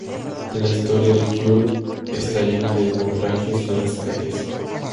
La historia de Kure está llena de naufragios y rescates.